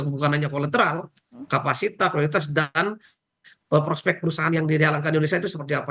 bukan hanya kolateral kapasitas kualitas dan prospek perusahaan yang dijalankan di indonesia itu seperti apa